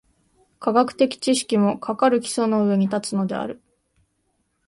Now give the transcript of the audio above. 科学的知識も、かかる基礎の上に立つのである。